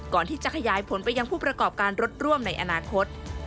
ก่อนที่จะขยายผลไปยังผู้ประกอบการรถร่วมในอนาคต